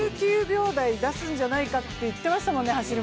１９秒台出すんじゃないかって言ってましたもんね。